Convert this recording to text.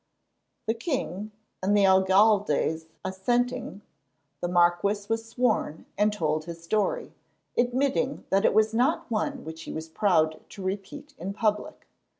The king and the alcaldes assenting, the marquis was sworn and told his story, admitting that it was not one which he was proud to repeat in public.